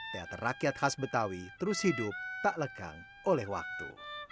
teater rakyat khas betawi terus hidup tak lekang oleh waktu